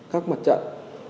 các mặt trận